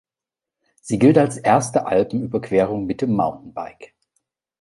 Sie gilt als erste Alpenüberquerung mit dem Mountainbike.